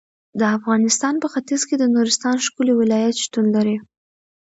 د افغانستان په ختیځ کې د نورستان ښکلی ولایت شتون لري.